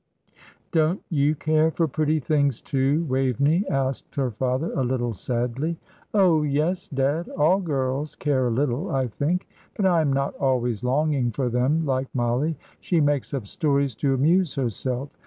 "Don't you care for pretty things, too, Waveney?" asked her father, a little sadly. "Oh, yes, dad! All girls care a little, I think; but I am not always longing for them like Mollie. She makes up stories to amuse herself.